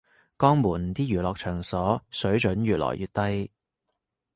江門啲娛樂場所水準越來越低